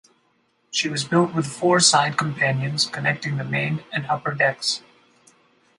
She was built with four side companions connecting the main and upper decks.